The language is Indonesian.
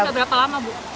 sudah berapa lama bu